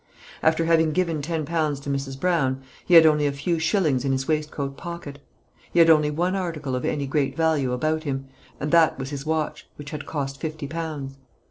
After having given ten pounds to Mrs. Brown, he had only a few shillings in his waistcoat pocket. He had only one article of any great value about him, and that was his watch, which had cost fifty pounds.